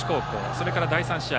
それから第３試合